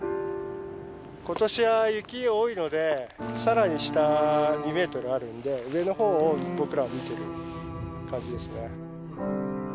今年は雪多いので更に下２ｍあるんで上の方を僕らは見てる感じですね。